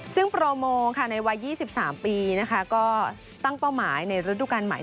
ซึ่งโปรโมในวัย๒๓ปีก็ตั้งเป้าหมายในฤดูการใหม่